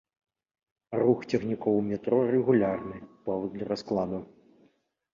Рух цягнікоў у метро рэгулярны, паводле раскладу.